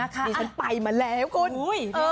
ดิฉันไปมาแล้วคุณ